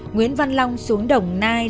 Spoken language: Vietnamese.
nguyễn văn long xuống đồng nai